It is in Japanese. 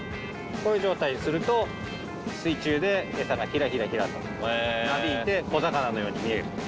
こういう状態にすると水中でエサがヒラヒラヒラとなびいて小魚のように見える。